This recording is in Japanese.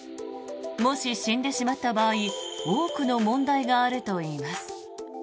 もし死んでしまった場合多くの問題があるといいます。